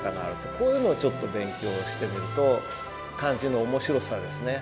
こういうのをちょっと勉強してみると漢字の面白さですね。